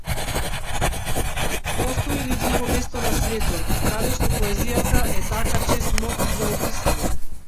Постои ли друго место на светот кадешто поезијата е така чест мотив за убиство?